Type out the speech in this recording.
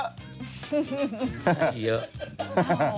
ให้เยอะ